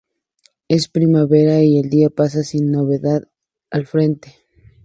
Es primavera y el día pasa sin novedad en el frente.